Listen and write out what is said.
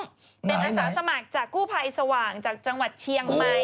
เป็นอาสาสมัครจากกู้ภัยสว่างจากจังหวัดเชียงใหม่